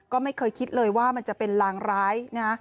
ก็ไม่เคยคิดเลยว่ามันจะเป็นลางร้ายนะ